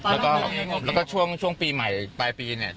พอแล้วพอแล้วพอแล้วแล้วก็แล้วก็ช่วงช่วงปีใหม่ปลายปีเนี่ย